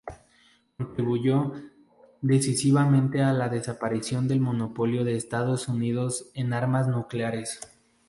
Contribuyó decisivamente a la desaparición del monopolio de Estados Unidos en armas nucleares.